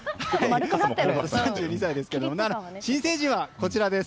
僕は３２歳ですけど新成人はこちらです。